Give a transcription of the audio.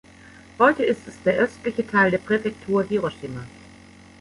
Heute ist es der östliche Teil der Präfektur Hiroshima.